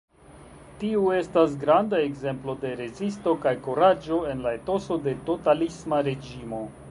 Tiu estas granda ekzemplo de rezisto kaj kuraĝo en la etoso de totalisma reĝimo.